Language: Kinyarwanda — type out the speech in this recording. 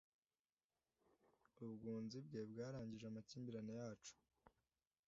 Ubwunzi bwe bwarangije amakimbirane yacu.